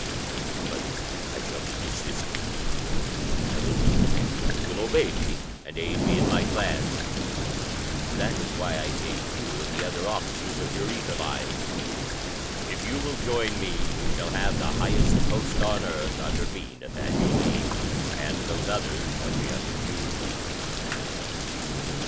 "But I shall need assistance, intelligent men who will obey me and aid me in my plans. That is why I saved you and the other officers of your ether lines. If you will join me, you shall have the highest post on Earth under me, Nathaniel Lee, and those others shall be under you."